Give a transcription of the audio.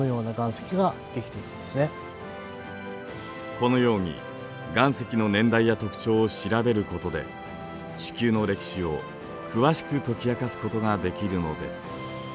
このように岩石の年代や特徴を調べることで地球の歴史を詳しく解き明かすことができるのです。